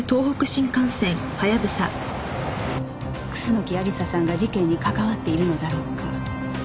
楠木亜理紗さんが事件に関わっているのだろうか？